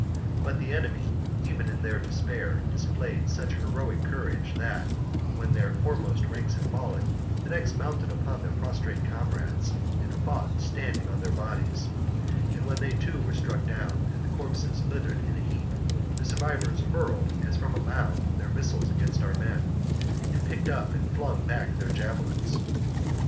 But the enemy, even in their despair, displayed such heroic courage that, when their foremost ranks had fallen, the next mounted upon their prostrate comrades and fought stand ing on their bodies ; and when they too were struck down and the corpses littered in a heap, the survivors hurled as from a mound their missiles against our men, and picked up and flung back their javelins.